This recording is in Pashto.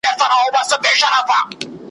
سرګردان د بل په لاس لکه مېچن یو `